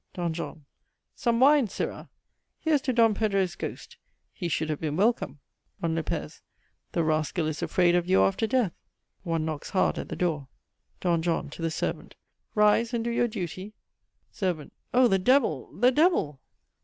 "D. JOHN. Some wine, sirrah! Here's to Don Pedro's ghost he should have been welcome. "D. LOP. The rascal is afraid of you after death. (One knocks hard at the door.) "D. JOHN. (to the servant) Rise and do your duty. "SERV. Oh the devil, the devil!